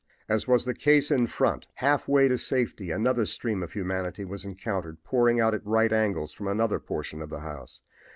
As was the case in front, half way to safety another stream of humanity was encountered pouring out at right angles from another portion of the house.